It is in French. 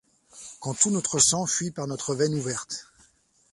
Quand tout notre sang fuit par notre veine ouverte